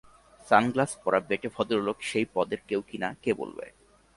সানগ্লাস-পরা বেঁটে ভদ্রলোক সেই পদের কেউ কি না কে বলবে?